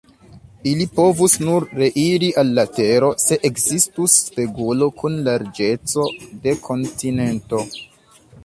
Ili povus nur reiri al la tero, se ekzistus spegulo kun larĝeco de kontinento".